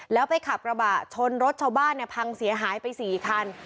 แล้วไปขับกระบะชนรถชาวบ้านเนี่ยพังเสียหายไป๔คัน